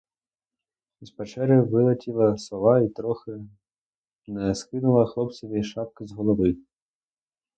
З печери вилетіла сова і трохи не скинула хлопцеві шапки з голови.